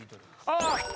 ああ！